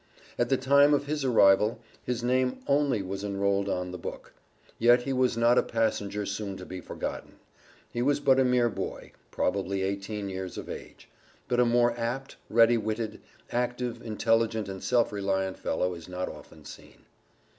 At the time of his arrival, his name only was enrolled on the book. Yet he was not a passenger soon to be forgotten he was but a mere boy, probably eighteen years of age; but a more apt, ready witted, active, intelligent and self reliant fellow is not often seen.